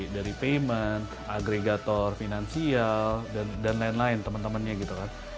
dari payment agregator finansial dan lain lain teman temannya gitu kan